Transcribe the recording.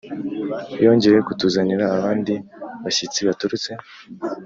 yongeye kutuzanira abandi bashyitsi baturutse